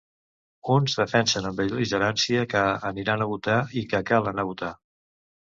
Uns defensen amb bel·ligerància que aniran a votar i que cal anar a votar.